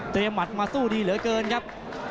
หมัดมาสู้ดีเหลือเกินครับ